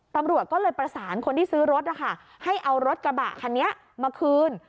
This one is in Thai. ตำรวจก็เลยประสานคนที่ซื้อรถนะคะให้เอารถกระบะคันนี้มาคืน